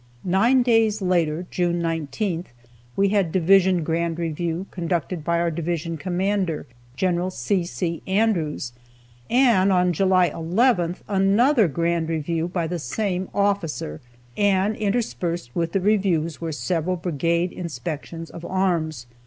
Nine days later, (June 19th,) we had division grand review conducted by our division commander, Gen. C. C. Andrews, and on July 11th another grand review by the same officer. And interspersed with the reviews were several brigade inspections of arms.